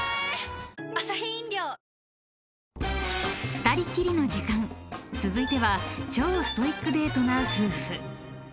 ［２人っきりの時間続いては超ストイックデートな夫婦］